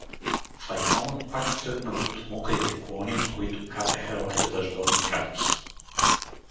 Файтонът пак тръгна под мокрите клони, от които капеха още дъждовни капки.